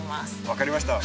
分かりました。